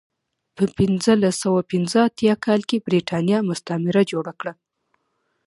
په پنځلس سوه پنځه اتیا کال کې برېټانیا مستعمره جوړه کړه.